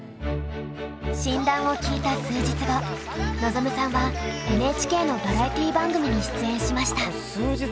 診断を聞いた数日後望さんはＮＨＫのバラエティー番組に出演しました。